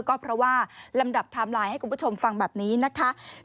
ก็เพราะว่าลำดับไทม์ไลน์ให้คุณผู้ชมฟังแบบนี้นะคะ